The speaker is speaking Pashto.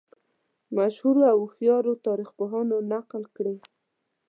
مشهورو او هوښیارو تاریخ پوهانو نقل کړې.